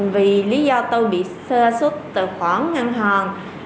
vì lý do tôi bị sơ xuất tờ khoản ngăn hòn